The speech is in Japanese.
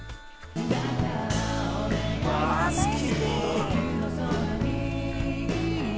うわ、好き！